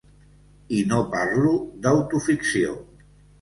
I no parlo d’autoficció.